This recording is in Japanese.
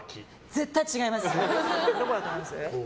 絶対違います。